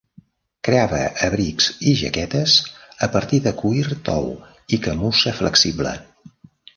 Creava abrics i jaquetes a partir de cuir tou i camussa flexible.